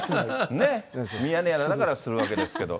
ミヤネ屋だからするわけですけど。